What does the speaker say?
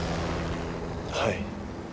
はい。